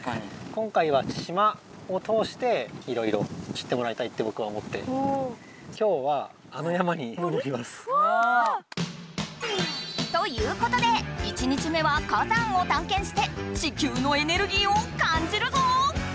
今回は島を通していろいろ知ってもらいたいってぼくは思ってわ！ということで１日目は火山を探検して地球のエネルギーを感じるぞ！